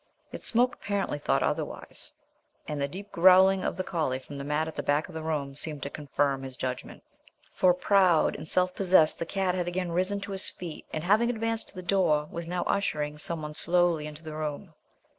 Yet Smoke apparently thought otherwise, and the deep growling of the collie from the mat at the back of the room seemed to confirm his judgment. For, proud and self possessed, the cat had again risen to his feet, and having advanced to the door, was now ushering some one slowly into the room.